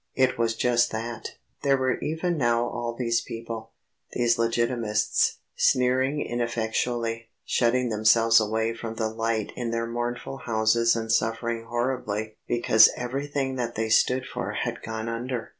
It was just that. There were even now all these people these Legitimists sneering ineffectually; shutting themselves away from the light in their mournful houses and suffering horribly because everything that they stood for had gone under.